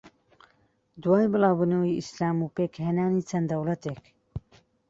دوای بڵاوبونەوەی ئیسلام و پێکھێنانی چەند دەوڵەتێک